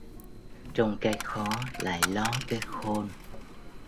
Trong cái khó lại ló cái khôn.